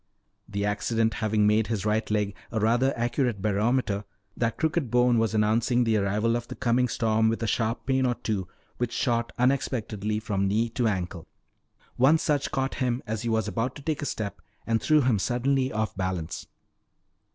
The accident having made his right leg a rather accurate barometer, that crooked bone was announcing the arrival of the coming storm with a sharp pain or two which shot unexpectedly from knee to ankle. One such caught him as he was about to take a step and threw him suddenly off balance.